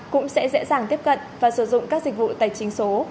cũng sẽ dễ dàng tiếp cận và sử dụng các dịch vụ tài chính số